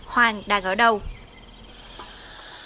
hoàng đã gặp được những thông tin này